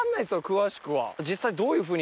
詳しくは。